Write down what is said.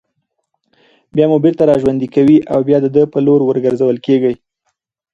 بيا مو بېرته راژوندي كوي او بيا د ده په لور ورگرځول كېږئ